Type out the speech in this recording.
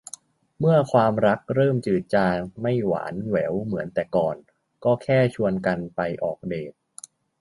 เมื่อความรักเริ่มจืดจางไม่หวานแหววเหมือนแต่ก่อนก็แค่ชวนกันไปออกเดต